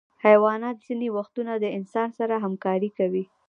حیوانات ځینې وختونه د انسان سره همکاري کوي.